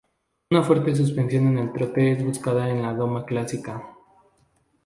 Una fuerte suspensión en el trote es buscada en la doma clásica.